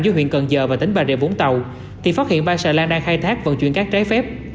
giữa huyện cần giờ và tỉnh bà rịa vũng tàu thì phát hiện ba xà lan đang khai thác vận chuyển các trái phép